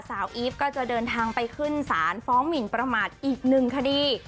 อีฟก็จะเดินทางไปขึ้นศาลฟ้องหมินประมาทอีกหนึ่งคดี